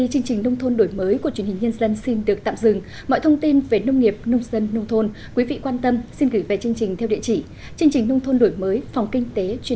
xin chào và hẹn gặp lại trong các chương trình sau